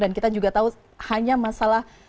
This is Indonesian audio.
dan kita juga tahu hanya masalah